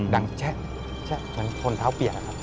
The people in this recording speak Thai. ดังแชะแชะมันทนเท้าเปลี่ยนครับ